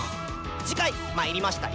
次回「魔入りました！